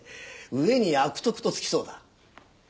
上に「悪徳」とつきそうだ。